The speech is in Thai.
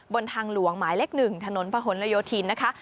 บนทางหลวงหมายเล็กหนึ่งถนนพะฮนระโยธินนะคะ